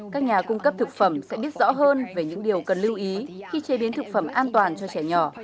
các nhà cung cấp thực phẩm sẽ biết rõ hơn về những điều cần lưu ý khi chế biến thực phẩm an toàn cho trẻ nhỏ